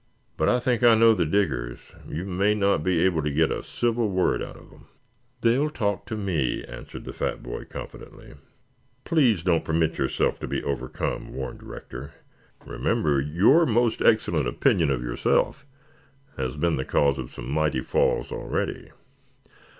But I think I know the Diggers. You may not be able to get a civil word out of them." "They'll talk to me," answered the fat boy confidently. "Please don't permit yourself to be overcome," warned Rector. "Remember your most excellent opinion of yourself has been the cause of some mighty falls already."